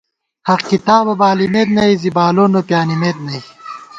حق کتابہ بالِمېت نئی، زِی بالون بہ پیانِمېت نئی